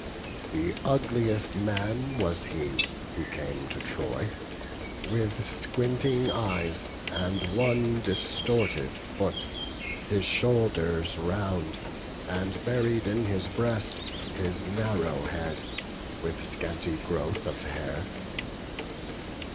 The ugliest man was he who came to Troy: With squinting eyes, and one distorted foot, His shoulders round, and buried in his breast His narrow head, with scanty growth of hair.